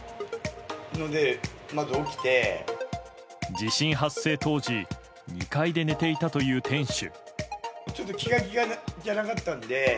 地震発生当時２階で寝ていたという店主。